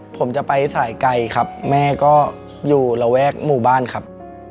ผมจะไปสายไกลครับแม่ก็อยู่ระแวกหมู่บ้านครับ